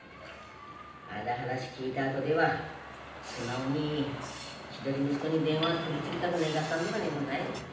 あだ話聞いたあとでは素直に一人息子に電話取り次ぎたくねがったんではねえのかい？